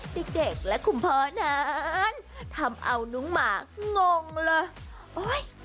เด็กและคุมพอนานทำเอานุ้งหมางงละ